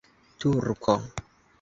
turko